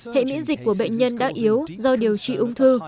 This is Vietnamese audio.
hệ miễn dịch của bệnh nhân đã yếu do điều trị ung thư